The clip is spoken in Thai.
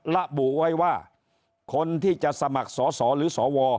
ระบุไว้ว่าคนที่จะสมัครสอสอหรือสว